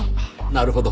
なるほど。